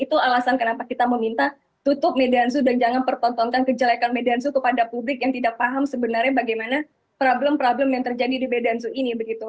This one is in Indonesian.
itu alasan kenapa kita meminta tutup medan zoo dan jangan pertontonan kejelekan medan zoo kepada publik yang tidak paham sebenarnya bagaimana problem problem yang terjadi di medan zoo ini